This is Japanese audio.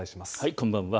こんばんは。